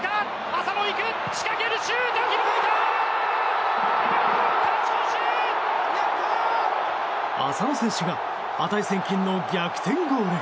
浅野選手が値千金の逆転ゴール！